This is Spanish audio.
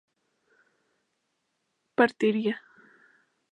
partiría